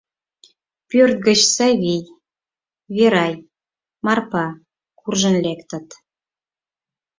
Пӧрт гыч Савий, Верай, Марпа куржын лектыт.